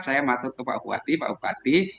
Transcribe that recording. saya matur ke pak bupati